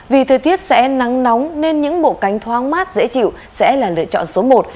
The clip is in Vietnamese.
vì thời tiết sẽ nắng nóng nên những bộ cánh thoáng mát dễ chịu sẽ là lựa chọn số một